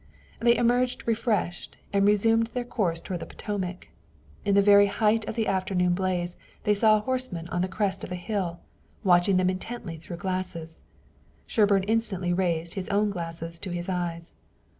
They emerged refreshed and resumed their course toward the Potomac. In the very height of the afternoon blaze they saw a horseman on the crest of a hill, watching them intently through glasses. Sherburne instantly raised his own glasses to his eyes.